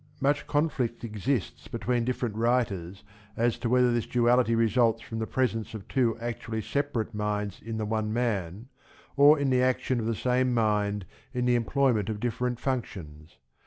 Much conflict exists between different writers as to whether this duality results from the presence of two actually separate minds in the one man, or in the action of the same mind in the employment of different functions.